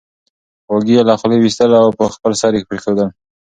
واګی یې له خولې وېستل او په خپل سر یې پرېښودل